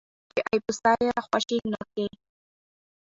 چې اېپوسه نه یې ارخوشي نه کي.